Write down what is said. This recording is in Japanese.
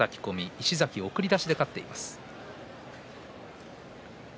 石崎は送り出しで勝っています。